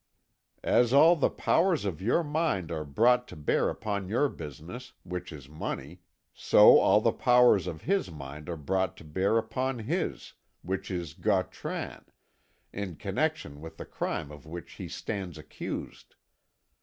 As all the powers of your mind are brought to bear upon your business, which is money, so all the powers of his mind are brought to bear upon his, which is Gautran, in connection with the crime of which he stands accused.